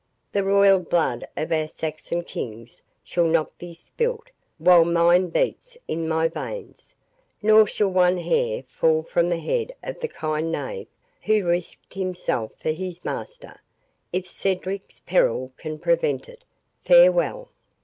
The royal blood of our Saxon kings shall not be spilt while mine beats in my veins; nor shall one hair fall from the head of the kind knave who risked himself for his master, if Cedric's peril can prevent it.—Farewell."